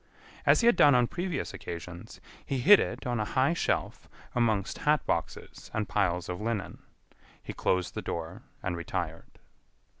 As he had done on previous occasions, he hid it on a high shelf amongst hat boxes and piles of linen. He closed the door, and retired.